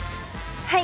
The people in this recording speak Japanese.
はい。